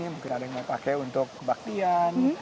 mungkin ada yang mau pakai untuk kebaktian